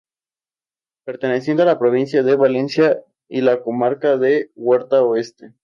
Perteneciente a la provincia de Valencia y la comarca de Huerta Oeste.